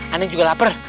anda juga lapar